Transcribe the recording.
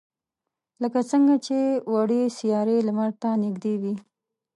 لکه څنگه چې وړې سیارې لمر ته نږدې وي.